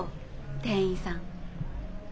店員さん。